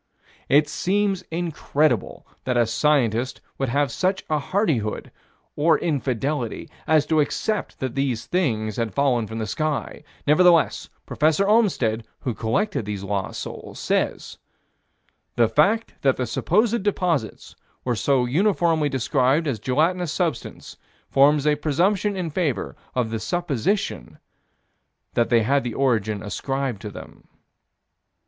It seems incredible that a scientist would have such hardihood, or infidelity, as to accept that these things had fallen from the sky: nevertheless, Prof. Olmstead, who collected these lost souls, says: "The fact that the supposed deposits were so uniformly described as gelatinous substance forms a presumption in favor of the supposition that they had the origin ascribed to them."